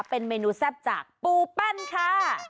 เป็นเมนูแซ่บจากปูแป้นค่ะ